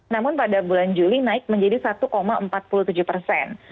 namun pada bulan juli naik menjadi satu empat puluh tujuh persen